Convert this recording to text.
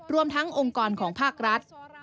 รวมทั้งองค์กรของภาครัฐ